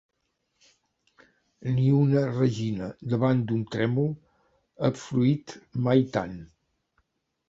Ni una regina davant d'un trèmol ha fruït mai tant